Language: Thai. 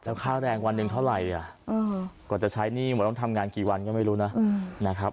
แล้วค่าแรงวันหนึ่งเท่าไหร่กว่าจะใช้หนี้หมดต้องทำงานกี่วันก็ไม่รู้นะนะครับ